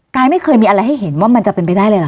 กายไม่เคยมีอะไรให้เห็นว่ามันจะเป็นไปได้เลยเหรอ